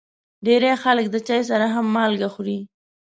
ډېری خلک د چای سره هم مالګه خوري.